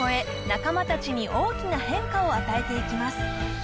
仲間達に大きな変化を与えていきます